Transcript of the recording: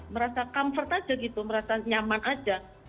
merasa comfort aja gitu merasa nyaman aja